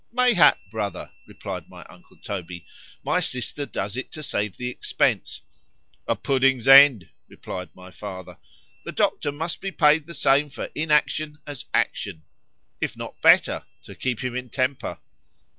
Mayhap, brother, replied my uncle Toby, my sister does it to save the expence:—A pudding's end,—replied my father,——the Doctor must be paid the same for inaction as action,—if not better,—to keep him in temper.